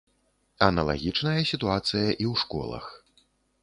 Аналагічная сітуацыя і ў школах.